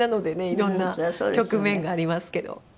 いろんな局面がありますけど。